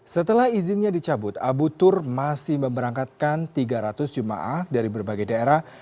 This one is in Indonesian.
setelah izinnya dicabut abu tur masih memberangkatkan tiga ratus jemaah dari berbagai daerah